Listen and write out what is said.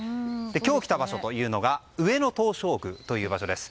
今日、来た場所というのが上野東照宮という場所です。